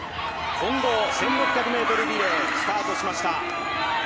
混合１６００ｍリレー、スタートしました。